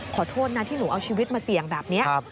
ขอโทษนะที่หนูเอาชีวิตมาเสี่ยงแบบนี้